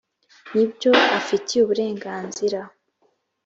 N ibyo afitiye uburenganzira